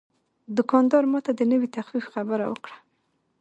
دوکاندار ماته د نوې تخفیف خبره وکړه.